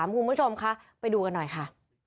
ผู้ชมค่ะไปดูหน่อยค่ะ